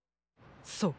そう！